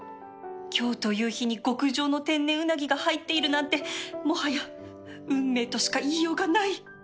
今日という日に極上の天然ウナギが入っているなんてもはや運命としかいいようがない